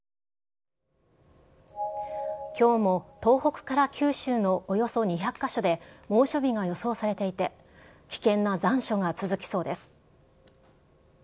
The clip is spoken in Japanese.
きょうも東北から九州のおよそ２００か所で猛暑日が予想されていて、危険な残暑が続きそうです。